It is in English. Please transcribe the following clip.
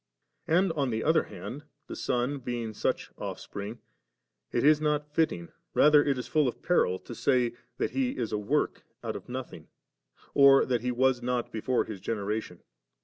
And on the other hand, the Son being such Ofifspring, it is not fitting, rather it is full of peril, to say, that He is a woik out of nothing, or that He was not before His generation.